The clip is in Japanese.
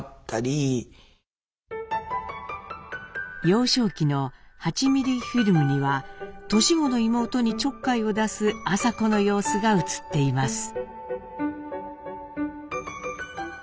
幼少期の８ミリフィルムには年子の妹にちょっかいを出す麻子の様子が映っています。